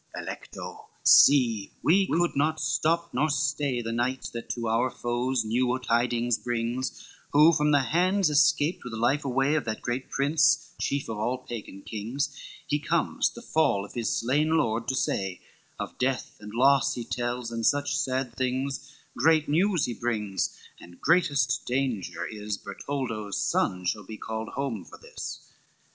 II "Alecto, see, we could not stop nor stay The knight that to our foes new tidings brings, Who from the hands escaped, with life away, Of that great prince, chief of all Pagan kings: He comes, the fall of his slain lord to say, Of death and loss he tells, and such sad things, Great news he brings, and greatest dangers is, Bertoldo's son shall be called home for this.